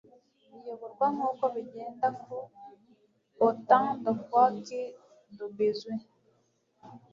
Iyoborwa nk uko bigenda ku autant de fois que de besoin